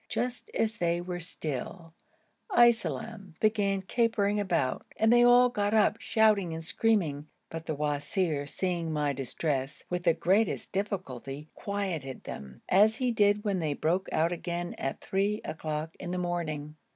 Just as they were still Iselem began capering about and they all got up shouting and screaming, but the wazir, seeing my distress, with the greatest difficulty quieted them, as he did when they broke out again at three o'clock in the morning.